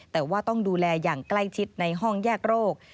แต่ว่าต้องดูแลอย่างใกล้ชิดในห้องแยกโรค